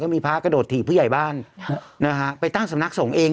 มีพระกระโดดถีบผู้ใหญ่บ้านนะฮะไปตั้งสำนักสงฆ์เอง